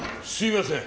すみません！